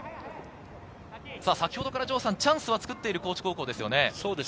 先ほどからチャンスを作っている高知高校ですね。